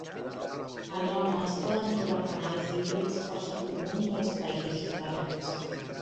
Alhora es poden trobar canals híbrids força comuns als Països Catalans.